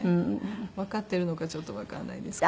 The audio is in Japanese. わかってるのかちょっとわからないんですけど。